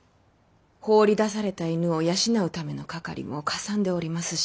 放り出された犬を養うためのかかりもかさんでおりますし。